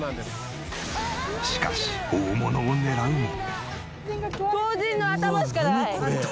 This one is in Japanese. しかし大物を狙うも。